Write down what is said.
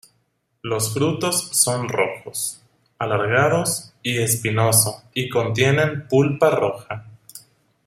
Los frutos son rojos, alargados y espinoso y contienen pulpa roja.